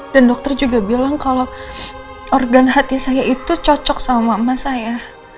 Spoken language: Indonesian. dan dokter juga bilang kalau organ hati saya itu cocok sama mama saya